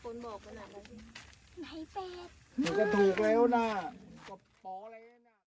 โปรดติดตามตอนต่อไป